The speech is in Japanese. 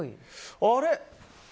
あれ？